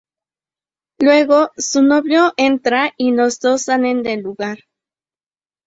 Luego, su novio entra y los dos salen del lugar.